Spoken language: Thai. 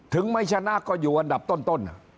ไม่ชนะก็อยู่อันดับต้น